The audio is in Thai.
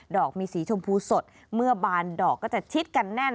อกมีสีชมพูสดเมื่อบานดอกก็จะชิดกันแน่น